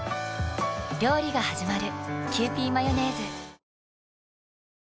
料理がはじまる。